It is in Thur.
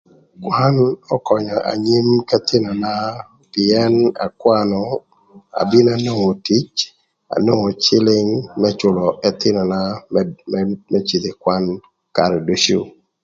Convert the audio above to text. Kwan ökönyö anyim k'ëthïnöna pïën akwanö abino anwongo tic anwongo cïlïng më cülö ëthïnöna më cïdhö ï kwan karë ducu